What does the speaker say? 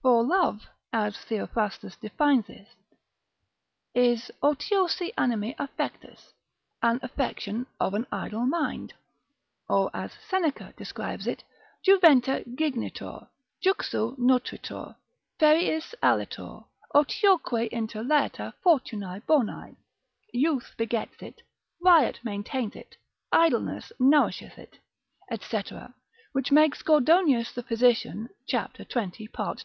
For love, as Theophrastus defines it, is otiosi animi affectus, an affection of an idle mind, or as Seneca describes it, Juventa gignitur, juxu nutritur, feriis alitur, otioque inter laeta fortunae bonae; youth begets it, riot maintains it, idleness nourisheth it, &c. which makes Gordonius the physician cap. 20. part.